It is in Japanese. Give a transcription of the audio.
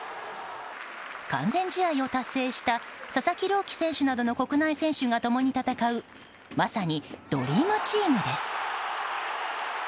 完全試合を達成した佐々木朗希選手などの国内選手が共に戦うまさにドリームチームです。